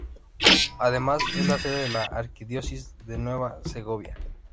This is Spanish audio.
Además, es la sede de la Arquidiócesis de Nueva Segovia.